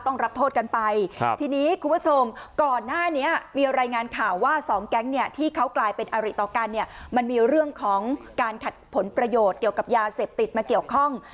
ต้องรับโทษกันไปทีนี้คุณผู้ชมก่อนหน้านี้มีรายงานข่าวว่าสองแก๊งเนี่ยที่เขากลายเป็นอริต่อกันเนี่ยมันมีเรื่องของการขัดผลประโยชน์เกี่ยวกับยาเสพติดมาเกี่ยวข้อง